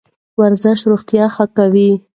ورزش روغتیا ښه کوي.